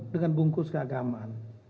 dengan bungkus keagamaan